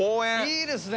いいですね！